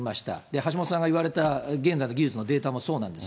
橋下さんが言われた現在の技術のデータもそうなんです。